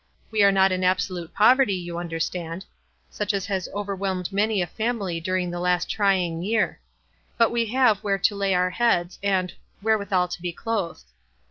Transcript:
We arc not in absolute pov erty, you understand, such as has overwhelmed many a family during the last trying year ; but we have 'where to lay our heads,' and 'where withal to be clothed.'